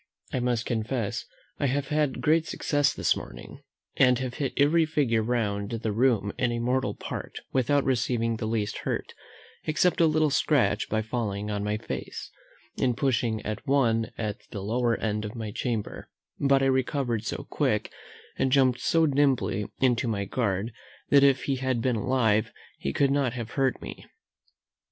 I must confess I have had great success this morning, and have hit every figure round the room in a mortal part, without receiving the least hurt, except a little scratch by falling on my face, in pushing at one at the lower end of my chamber; but I recovered so quick, and jumped so nimbly into my guard, that, if he had been alive, he could not have hurt me.